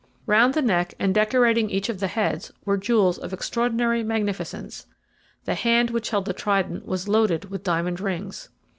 Round the neck, and decorating each of the heads, were jewels of extraordinary magnificence; the hand which held the trident was loaded with diamond rings.